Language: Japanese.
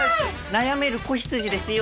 悩める子羊ですよ。